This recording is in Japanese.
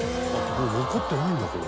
「もう残ってないんだこれ」